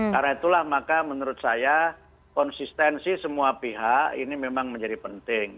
karena itulah maka menurut saya konsistensi semua pihak ini memang menjadi penting